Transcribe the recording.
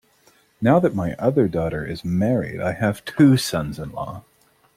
Now that my other daughter is married I have two sons-in-law.